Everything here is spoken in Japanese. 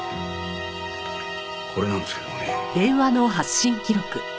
これなんですけどもねぇ。